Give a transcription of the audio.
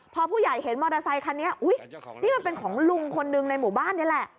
พอผู้ใหญ่เห็นมอเตอร์ไซคันนี้นี่มันเป็นของลุงคนหนึ่งในหมู่บ้านนี่แหละ